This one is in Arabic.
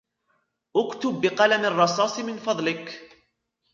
أكتب بقلم الرصاص من فضلك.